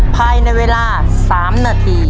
ภายในเวลา๓นาที